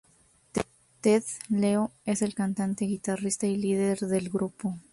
Ted Leo es el cantante, guitarrista y líder del grupo.